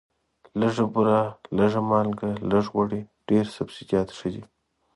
لږه بوره، لږه مالګه، لږ غوړي، ډېر سبزیجات ښه دي.